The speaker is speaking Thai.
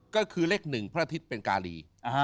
ก็คือเลข๑พระอาทิตย์เป็นกาลี